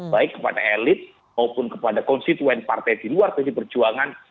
baik kepada elit maupun kepada konstituen partai di luar pd perjuangan